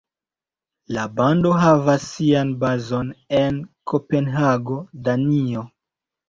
La bando havas sian bazon en Kopenhago, Danio.